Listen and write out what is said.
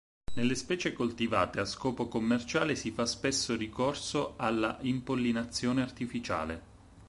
Nelle specie coltivate a scopo commerciale si fa spesso ricorso alla impollinazione artificiale.